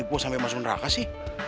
gue sampe masuk neraka sih